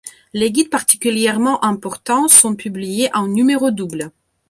Les guides particulièrement importants sont publiés en numéro-double.